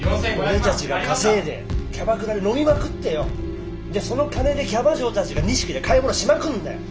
俺たちが稼いでキャバクラで飲みまくってよでその金でキャバ嬢たちが錦で買い物しまくるんだよ。